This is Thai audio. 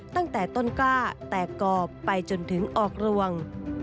ตั้งแต่ต้นกล้าแตกกอบไปจนถึงออกรวง